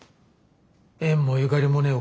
縁もゆかりもねえ